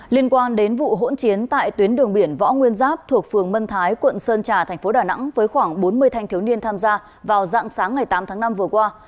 liên quan đến vụ hỗn chiến tại tuyến đường biển võ nguyên giáp thuộc phường mân thái quận sơn trà thành phố đà nẵng với khoảng bốn mươi thanh thiếu niên tham gia vào dạng sáng ngày tám tháng năm vừa qua